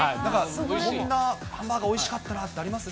こんなハンバーガー、おいしかったなってあります？